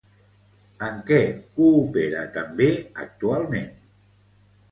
En què coopera també actualment?